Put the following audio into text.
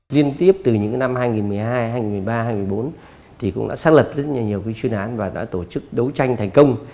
liên tiếp từ những năm hai nghìn một mươi hai hai nghìn một mươi ba hai nghìn một mươi bốn thì cũng đã xác lập rất nhiều chuyên án và đã tổ chức đấu tranh thành công